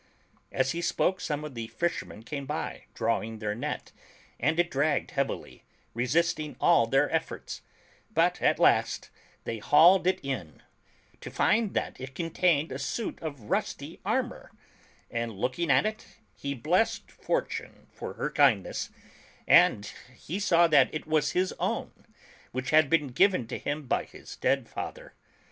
As he spoke some of the fishermen came by, drawing their net, and it dragged heavily, resisting all their efforts, but at last they hauled it in to find that it contained a suit of rusty armor ; and looking at it, he blessed Fortune for her kindness, for he saw that it was his own, which had been given to him by his dead father.